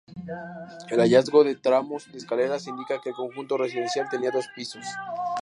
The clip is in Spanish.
El hallazgo de tramos de escaleras indica que el conjunto residencial tenía dos pisos.